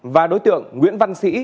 và đối tượng nguyễn văn sĩ